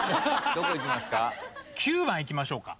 どこいきますか？